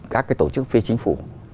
các cái tổ chức phi chính phủ